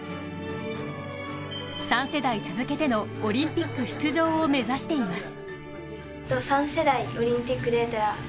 ３世代続けてのオリンピック出場を目指しています。